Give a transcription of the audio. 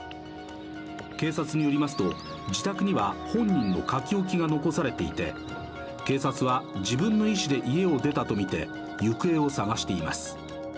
警察によりますと自宅には本人の書き置きが残されていて警察は自分の意思で家を出たとみて行方を捜しています。